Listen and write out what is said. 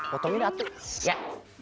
potongin atu ya